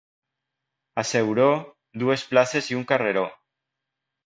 A Ceuró, dues places i un carreró.